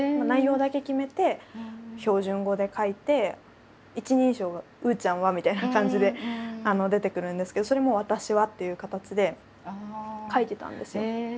内容だけ決めて標準語で書いて一人称が「うーちゃんは」みたいな感じで出てくるんですけどそれも「私は」っていう形で書いてたんですよ。